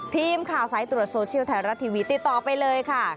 ทีมข่าวสายตรวจโซเชียลไทยรัฐทีวีติดต่อไปเลยค่ะ